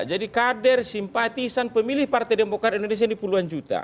jadi kader simpatisan pemilih partai demokrat indonesia ini puluhan juta